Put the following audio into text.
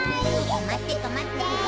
とまってとまって！